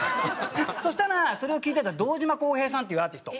そしたらそれを聞いてた堂島孝平さんっていうアーティスト。